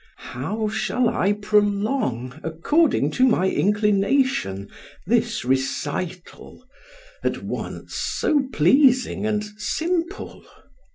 How shall I prolong, according to my inclination, this recital at once so pleasing and simple?